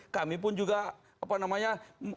kami pun juga apa namanya